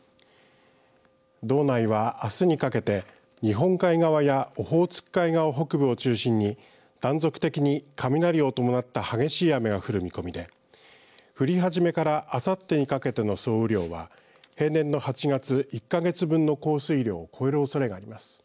道内はあすにかけて日本海側やオホーツク海側北部を中心に断続的に雷を伴った激しい雨が降る見込みで降り始めからあさってにかけての総雨量は平年の８月１か月分の降水量を超えるおそれがあります。